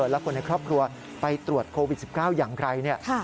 และคนในครอบครัวไปตรวจโควิด๑๙อย่างไร